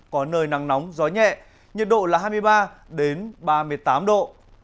có nơi nắng nóng gió nhẹ nhiệt độ là hai mươi ba ba mươi tám độ